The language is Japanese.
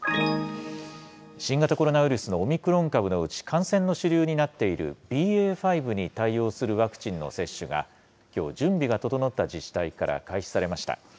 新型コロナウイルスのオミクロン株のうち、感染の主流になっているＢＡ．５に対応するワクチンの接種が、きょう、準備が整った自治体から開始されました。